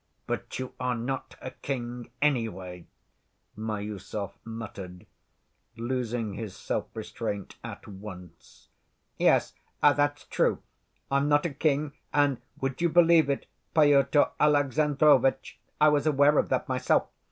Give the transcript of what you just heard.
"But you are not a king, anyway," Miüsov muttered, losing his self‐ restraint at once. "Yes; that's true. I'm not a king, and, would you believe it, Pyotr Alexandrovitch, I was aware of that myself.